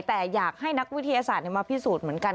แต่อยากให้นักวิทยาศาสตร์มาพิสูจน์เหมือนกัน